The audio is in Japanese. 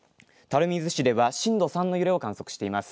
垂水市では震度３の揺れを観測しています。